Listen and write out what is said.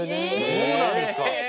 そうなんですか？